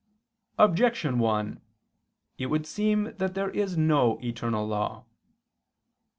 Objection 1: It would seem that there is no eternal law.